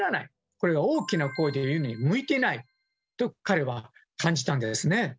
これは大きな声で言うには向いてないと彼は感じたんですね。